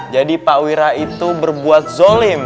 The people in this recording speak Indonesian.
jadi pak wirah itu berbuat zolim